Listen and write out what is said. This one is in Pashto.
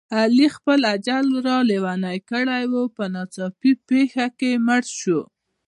علي خپل اجل را لېونی کړی و، په ناڅاپي پېښه کې مړ شو.